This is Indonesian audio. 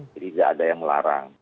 jadi nggak ada yang melarang